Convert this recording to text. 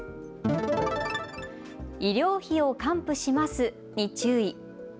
医療費を還付しますに注意。